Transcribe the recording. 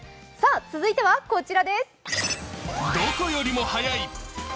続いては、こちらです。